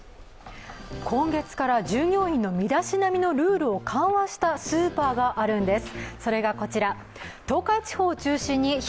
今月から従業員の身だしなみのルールを緩和したスーパーがあるんです。